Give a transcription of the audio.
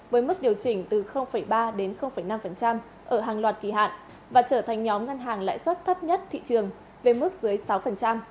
với mức điều chỉnh từ ba đến năm ở hàng loạt kỳ hạn và trở thành nhóm ngân hàng lãi suất thấp nhất thị trường về mức dưới sáu